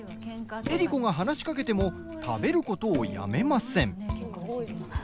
江里子が話しかけても食べることをやめません。